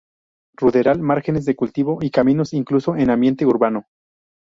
Ruderal, márgenes de cultivo y caminos, incluso en ambiente urbano.